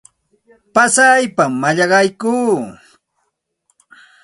Pasaypam mallaqaykuu.